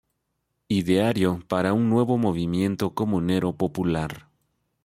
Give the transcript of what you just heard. Ideario para un nuevo movimiento comunero popular".